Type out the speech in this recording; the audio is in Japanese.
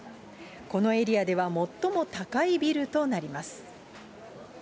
このエリアでは最も高いビルとなります。